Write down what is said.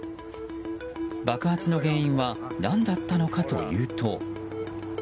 爆発の原因は何だったのかというと。